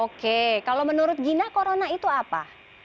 oke kalau menurut gina corona itu apa